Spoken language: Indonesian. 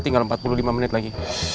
tinggal empat puluh lima menit lagi